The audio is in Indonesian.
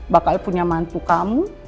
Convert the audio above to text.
bakal punya mantu kamu